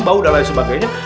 bau dan lain sebagainya